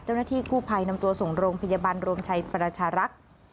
เจ้าหน้าที่กู้ภัยนำตัวส่งโรงพยาบาลรวมชัยประชารักษ์